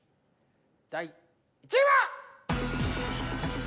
第１位は！？